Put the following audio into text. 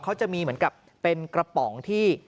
เขาจะมีเหมือนกับเป็นกระป๋องที่